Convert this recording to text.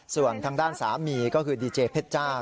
ส่วนทางด้านสามีก็คือดีเจเพชรเจ้า